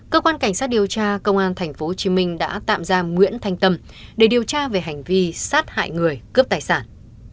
cơ quan cảnh sát điều tra công an tp hcm đã tạm giam nguyễn thanh tâm để điều tra về hành vi sát hại người cướp tài sản